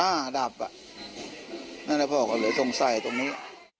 ดับอ่ะนั่นแหละพ่อก็เลยสงสัยตรงนี้